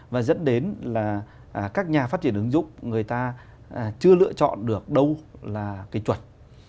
và dẫn đến là các nhà phát triển ứng dụng người ta chưa lựa chọn được đâu là cái chuẩn